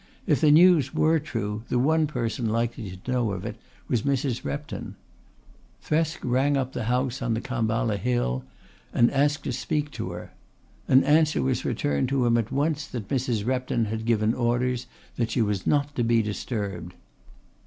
If the news were true the one person likely to know of it was Mrs. Repton. Thresk rang up the house on the Khamballa Hill and asked to speak to her. An answer was returned to him at once that Mrs. Repton had given orders that she was not to be disturbed.